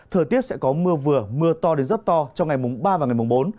thời tiết sẽ có mưa vừa mưa to đến rất to trong ngày mùng ba và ngày mùng bốn